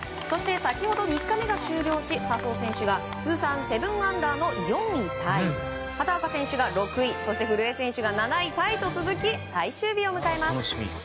そして先ほど３日目が終了し笹生選手が通算７アンダーの４位タイ畑岡選手が６位古江選手が７位タイと続き最終日を迎えます。